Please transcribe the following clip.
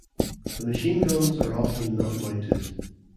The machine guns are often not mounted.